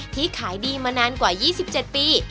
ขายดีมานานกว่า๒๗ปี